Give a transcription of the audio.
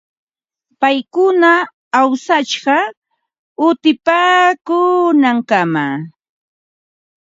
Paykuna awsashqa utipaakuunankamam.